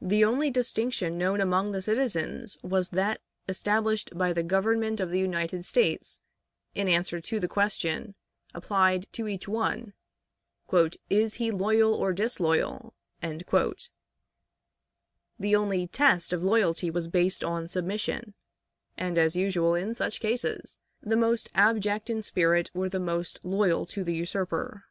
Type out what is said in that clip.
The only distinction known among the citizens was that established by the Government of the United States in answer to the question applied to each one, "Is he loyal or disloyal?" The only test of loyalty was based on submission, and, as usual in such cases, the most abject in spirit were the most loyal to the usurper.